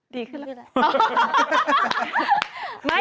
ดีขึ้นแล้ว